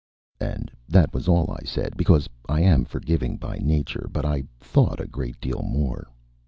And that was all I said, because I am forgiving by nature; but I thought a great deal more.